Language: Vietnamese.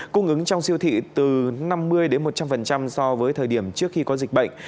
cung ứng trong siêu thị từ năm mươi một trăm linh so với thời điểm trước khi có dịch bệnh